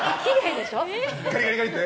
ガリガリガリッて？